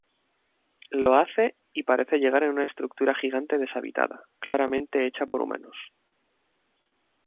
Lo hace, y parece llegar en una estructura gigante deshabitada, claramente hecha por humanos.